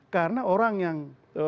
karena orang yang